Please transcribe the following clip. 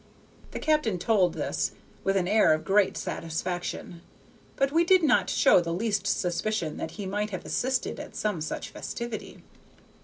The captain told this with an air of great satisfaction, but we did not show the least suspicion that he might have assisted at some such festivity.